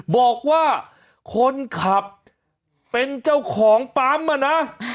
บอกว่าคนขับเป็นเจ้าของปั๊มอ่ะนะ